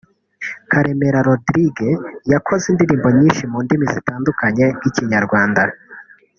Karemera Rodrigue yakoze indirimbo nyinshi mu ndimi zitandukanye nk’Ikinyarwanda